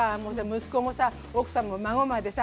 息子もさ奥さんも孫までさ